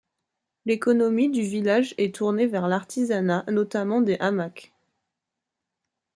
L'économie du village est tournée vers l'artisanat, notamment des hamacs.